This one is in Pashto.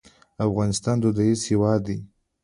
افغانستان دودیز هېواد دی.